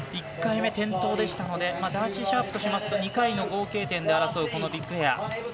１回目、転倒でしたのでダーシー・シャープとしますと２回の合計点で争うこのビッグエア。